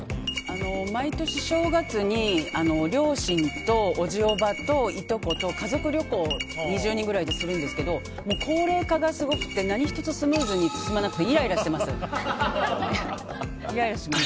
毎年正月に両親とおじ、おばといとこと、家族旅行を２０人くらいでするんですけどもう高齢化がひどくて何１つスムーズに進まなくてイライラしてます。